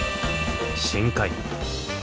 深海。